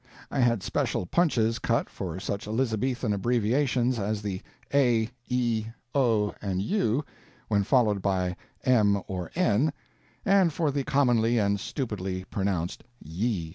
I had special punches cut for such Elizabethan abbreviations as the a, e, o and u, when followed by m or n and for the (commonly and stupidly pronounced ye).